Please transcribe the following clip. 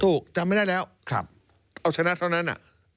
จำไม่ได้แล้วเอาชนะเท่านั้น